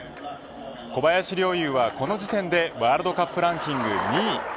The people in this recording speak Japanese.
小林陵侑はこの時点でワールドカップランキング２位。